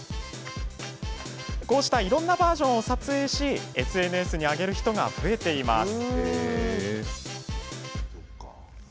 こうしたいろんなバージョンを撮影しＳＮＳに上げる人が増えています。